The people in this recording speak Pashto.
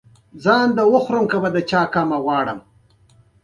ایا زه لامبو وهلی شم؟